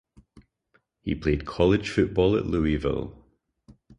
He played college football at Louisville.